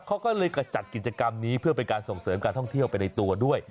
เขาก็เลยกระจัดกิจกรรมนี้เพื่อเป็นการส่งเสริมการท่องเที่ยวไปในตัวด้วย